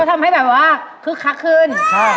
ก็ทำให้คลึกถักขึ้น